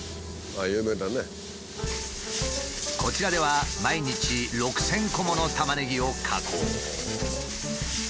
こちらでは毎日６，０００個ものタマネギを加工。